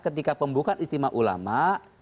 ketika pembukaan istimewa ulama